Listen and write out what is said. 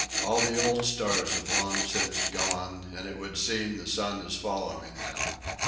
All the old stars have long since gone, and it would seem the sun is following them.